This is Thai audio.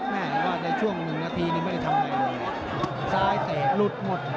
แม่ก็ในช่วงหนึ่งนาทีนี้ไม่ได้ทำอะไรเลยซ้ายเตะหลุดหมด